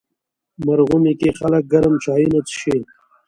مرغومی کې خلک ګرم چایونه څښي.